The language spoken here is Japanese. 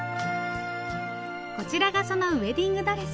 こちらがそのウエディングドレス。